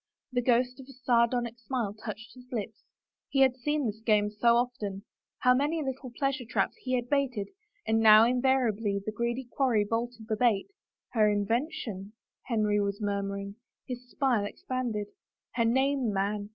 The ghost of a sardonic smile touched his full lips — he had seen this game so often I How many little pleasure traps he had baited — and how invariably the greedy quarry bolted the baitl " Her invention ?" Henry was murmuring. His smile expanded. *' Her name, man.